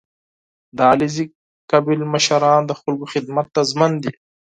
• د علیزي قوم مشران د خلکو خدمت ته ژمن دي.